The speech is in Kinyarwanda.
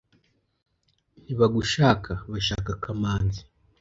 Ntibagushaka. Bashaka Kamanzi.